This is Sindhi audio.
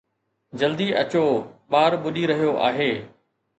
جلدي اچو؛ ٻار ٻڏي رهيو آهي